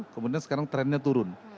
kemudian sekarang trennya turun